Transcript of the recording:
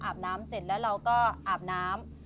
น้ำเสร็จแล้วเราก็อาบน้ำ